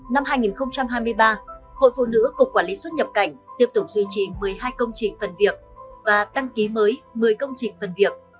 năm hai nghìn hai mươi ba hội phụ nữ cục quản lý xuất nhập cảnh tiếp tục duy trì một mươi hai công trình phần việc và đăng ký mới một mươi công trình phần việc